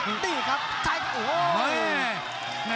นี่ครับใจโอ้โห